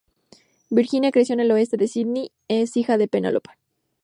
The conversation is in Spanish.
Virginia creció al oeste de Sídney, es hija de Penelope.